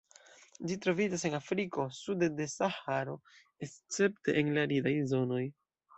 Ĝi troviĝas en Afriko sude de Saharo, escepte en la aridaj zonoj.